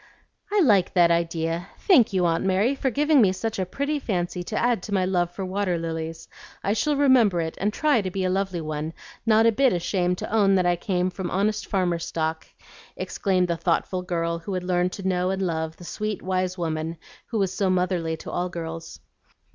"I like that idea! Thank you, Aunt Mary, for giving me such a pretty fancy to add to my love for water lilies. I shall remember it, and try to be a lovely one, not a bit ashamed to own that I came from honest farmer stock," exclaimed the thoughtful girl who had learned to know and love the sweet, wise woman who was so motherly to all girls.